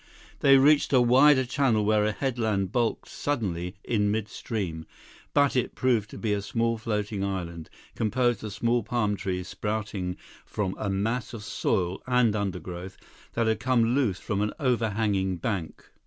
They reached a wider channel where a headland bulked suddenly in midstream; but it proved to be a small floating island, composed of small palm trees sprouting from a mass of soil and undergrowth that had come loose from an overhanging bank.